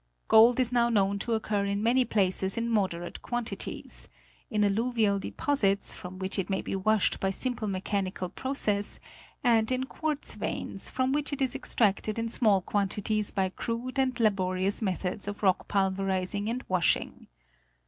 Gold is now known to occur in many places in moderate quantities : in alluvial deposits, from which it may be washed by simple me chanical process, and in quartz veins, from which it is extracted in small quantities by crude and laborious methods of rock pulverizing and washing.